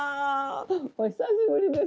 お久しぶりです。